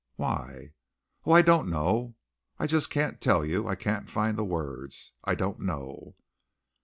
"Why?" "Oh, I don't know; I just can't tell you! I can't find words. I don't know."